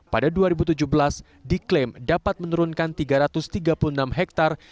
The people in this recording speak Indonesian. pada dua ribu tujuh belas diklaim dapat menurunkan tiga ratus tiga puluh enam hektare